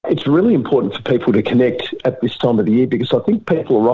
orang orang sering diingatkan tentang apa yang mereka tidak punya